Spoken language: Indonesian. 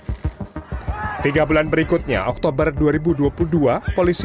difonis pidana mati oleh pengadilan negeri jakarta selatan tiga bulan berikutnya oktober dua ribu dua puluh dua polisi